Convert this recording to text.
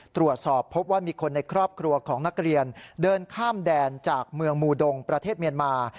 ตรวจสอบพบว่ามีคนในครอบครัวของนักเรียนเดินข้ามแดนจากเมืองมูดงประเทศเมียนมา